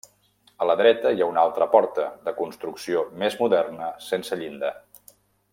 A la dreta hi ha una altra porta, de construcció més moderna, sense llinda.